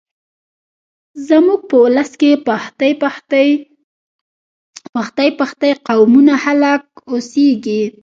زموږ په ولس کې پښتۍ پښتۍ قومونه خلک اوسېږيږ